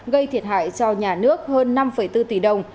gây thiệt hại cho nhà nước hơn năm bốn tỷ đồng